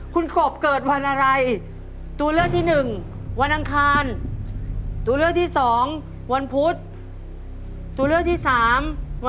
พร้อมไหมครับ